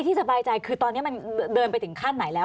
สบายใจคือตอนนี้มันเดินไปถึงขั้นไหนแล้ว